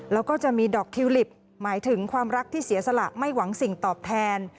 แล้วก็จะมีดอกทิวลิปหมายถึงความรักที่เสียสละไม่หวังสิ่งตอบแทน